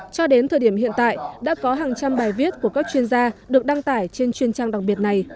cho đến thời điểm hiện tại đã có hàng trăm bài viết của các chuyên gia được đăng tải trên truyền trang đặc biệt này